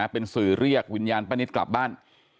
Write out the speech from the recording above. เป็นสื่อเรียกวิญญาณป้านิตกลับบ้าน